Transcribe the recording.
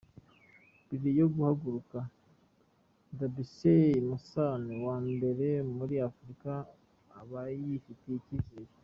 Mbere yo guhaguruka Debesay Mosana wa mbere muri Afurika aba yifitiye ikizere